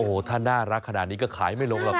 โอ้โหถ้าน่ารักขนาดนี้ก็ขายไม่ลงหรอกครับ